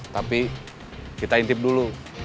tapi kita intip dulu